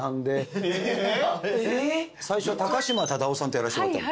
最初高島忠夫さんとやらせてもらったの。